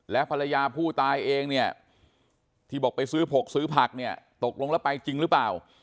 และภรรยาผู้ตายเองเนี่ยที่บอกไปซื้อผกซื้อผักเนี่ยตกลงแล้วไปจริงหรือเปล่า